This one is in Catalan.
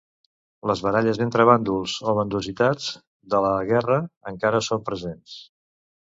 Les baralles entre bàndols o bandositats de la guerra encara són presents.